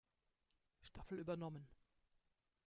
Staffel übernommen.